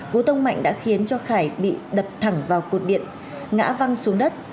cú tông mạnh đã khiến cho khải bị đập thẳng vào cột điện ngã văng xuống đất